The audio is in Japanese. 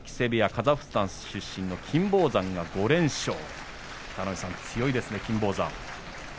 カザフスタン出身の金峰山が５連勝、強いですね。